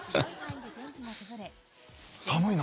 寒いな。